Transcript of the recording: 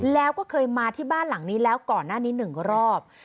แล้วก็เคยมาที่บ้านหลังนี้แล้วก่อนหน้านี้๑รอบ